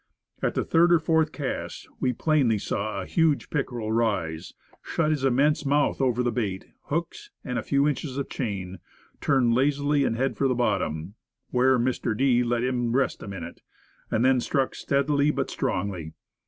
At the third or fourth cast we plainly saw a huge pickerel rise, shut his immense mouth over bait, hooks, and a few inches of chain, turn lazily, and head for the bottom, where Mr. D. let him rest a minute, and then struck steadily but strongly.